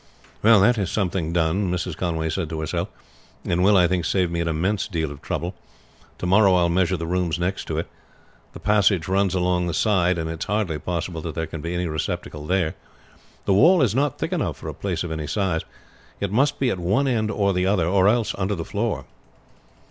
"That is something done," Mrs. Conway said to herself; "and will, I think, save me an immense deal of trouble. To morrow I will measure the rooms next to it. The passage runs along the side and it is hardly possible that there can be any receptacle there; the wall is not thick enough for a place of any size. It must be at one end or the other, or else under the floor."